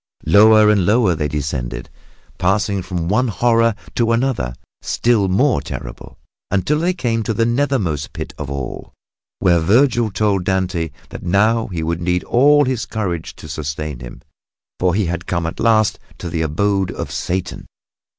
Lower and lower they descended, passing from one horror to another still more terrible, until they came to the nethermost pit of all, where Vergil told Dante that now he would need all his courage to sustain him, for he had come at last to the abode of Satan.